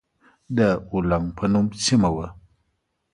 د اولنګ په نوم سيمه وه.